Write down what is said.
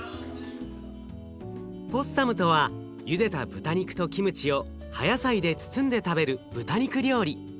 ポッサムとはゆでた豚肉とキムチを葉野菜で包んで食べる豚肉料理。